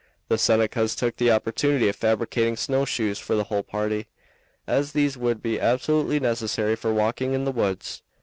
The Senecas took the opportunity of fabricating snowshoes for the whole party, as these would be absolutely necessary for walking in the woods.